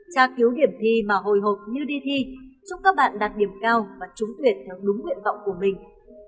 tra cứu điểm thi mà hồi hộp như đi thi chúc các bạn đạt điểm cao và trúng tuyển theo đúng nguyện vọng của mình